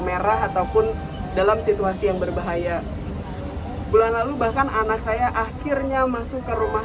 merah ataupun dalam situasi yang berbahaya bulan lalu bahkan anak saya akhirnya masuk ke rumah